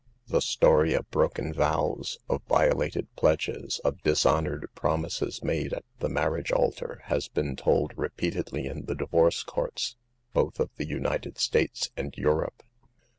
The story of broken vows, of violated pledges, of dishonored promises, made at the marriage altar, has been told repeatedly in the divorce courts, both of the United States and Europe.